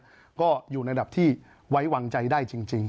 โดยจนเป็นรายละท่านก็อยู่รายละทางที่ไว้หวั่นใจได้จริง